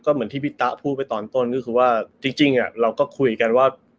เหมือนที่พี่ตะพูดไปตอนต้นก็คือว่าจริงเราก็คุยกันว่า